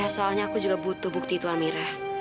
ya soalnya aku juga butuh bukti itu amira